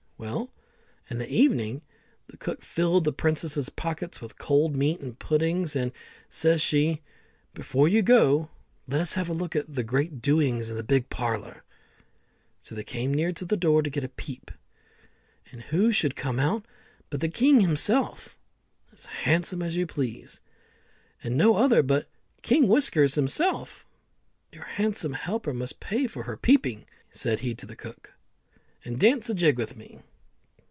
Well, in the evening the cook filled the princess's pockets with cold meat and puddings, and, says she, "Before you go, let us have a look at the great doings in the big parlour." So they came near the door to get a peep, and who should come out but the king himself, as handsome as you please, and no other but King Whiskers himself. "Your handsome helper must pay for her peeping," said he to the cook, "and dance a jig with me."